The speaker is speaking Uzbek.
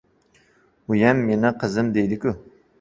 Uyam meni «qizim» deydi-ku.